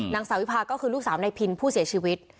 นางสาววิพาก็คือลูกสาวนายพินผู้เสียชีวิต